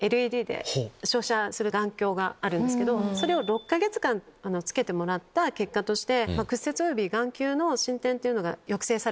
６か月間着けてもらった結果として。